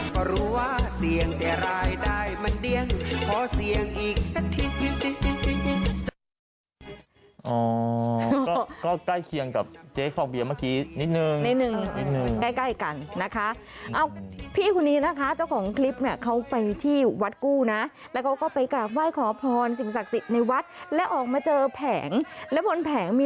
พอรู้ว่าเสี่ยงแต่รายได้มันเดียงพอเสี่ยงอีกสักที